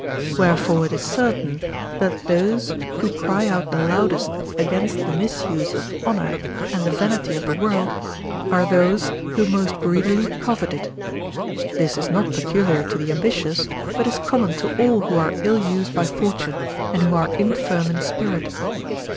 Wherefore it is certain that those, who cry out the loudest against the misuse of honour and the vanity of the world, are those who most greedily covet it. This is not peculiar to the ambitious, but is common to all who are ill used by fortune, and who are infirm in spirit.